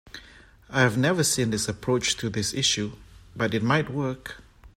I have never seen this approach to this issue, but it might work.